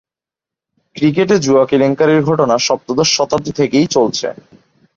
ক্রিকেটে জুয়া কেলেঙ্কারির ঘটনা সপ্তদশ শতাব্দী থেকেই চলছে।